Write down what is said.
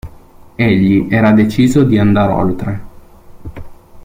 Egli era deciso di andar oltre.